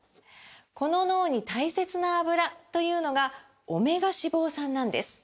この脳に大切なアブラというのがオメガ脂肪酸なんです！